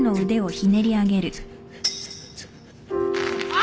あ！